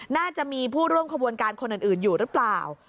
น่าจะมีผู้ร่วมขบวนการคนอื่นอยู่หรือเปล่า